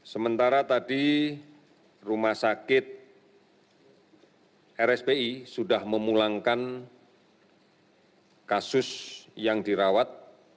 sementara tadi rumah sakit rspi sudah memulangkan kasus yang dirawat